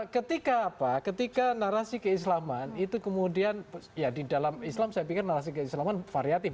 ketika apa ketika narasi keislaman itu kemudian ya di dalam islam saya pikir narasi keislaman variatif